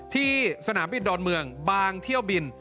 สนามบินดอนเมืองบางเที่ยวบิน